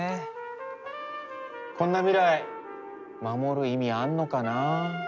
こんな未来守る意味あんのかな？